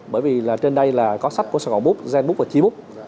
bởi vì là trên đây là có sách của saigon books zen books và chi books